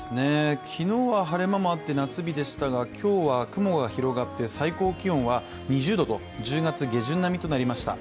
昨日は晴れ間もあって夏日でしたが、今日は雲が広がって最高気温は２０度と１０月下旬並みとなりました。